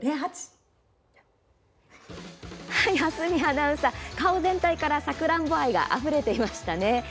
アナウンサー顔全体からさくらんぼ愛があふれていましたね。